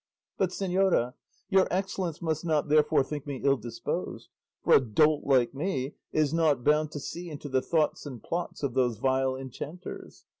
But, señora, your excellence must not therefore think me ill disposed, for a dolt like me is not bound to see into the thoughts and plots of those vile enchanters.